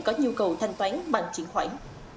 có nhu cầu thanh toán bằng triển khoản